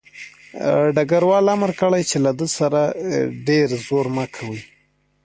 ډګروال امر کړی چې له ده سره ډېر زور مه کوئ